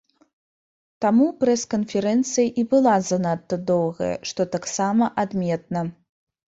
Таму прэс-канферэнцыя і была занадта доўгая, што таксама адметна.